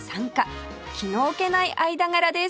気の置けない間柄です